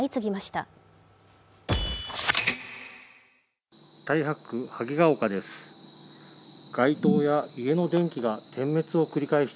太白区萩ヶ丘です。